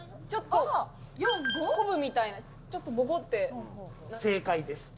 コブみたいな、ちょっとボコ正解です。